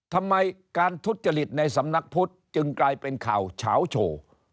ทำไมการทุจริตในสำนักพุทธจึงกลายเป็นข่าวเฉาโชว์